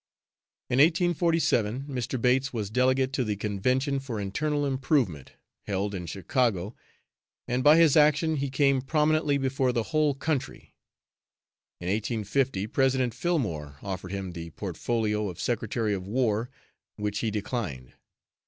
In 1847, Mr. Bates was delegate to the Convention for Internal Improvement, held in Chicago, and by his action he came prominently before the whole country. In 1850, President Fillmore offered him the portfolio of Secretary of War, which he declined.